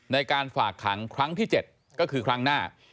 ในการฝากขังครั้งที่๗ก็คือครั้งหน้า